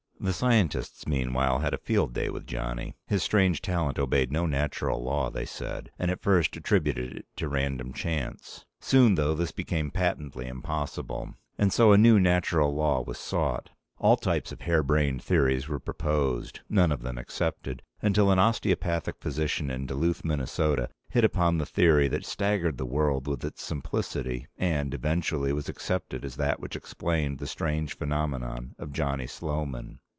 The scientists, meanwhile, had a field day with Johnny. His strange talent obeyed no natural law, they said, and at first attributed it to random chance. Soon, though, this became patently impossible. And so a new natural law was sought. All types of hair brained theories were proposed, none of them accepted, until an osteopathic physician in Duluth, Minn., hit upon the theory that staggered the world with its simplicity and, eventually, was accepted as that which explained the strange phenomenon of Johnny Sloman.